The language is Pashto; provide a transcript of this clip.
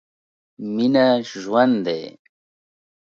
مينه ژوند دی.